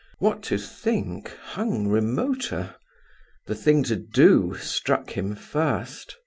What to think, hung remoter. The thing to do struck him first.